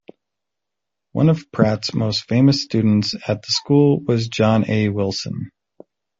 One of Pratt's most famous students at the School was John A. Wilson.